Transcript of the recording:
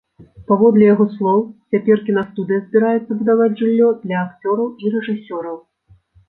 Паводле яго слоў, цяпер кінастудыя збіраецца будаваць жыллё для акцёраў і рэжысёраў.